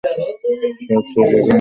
সব শেষ এখন।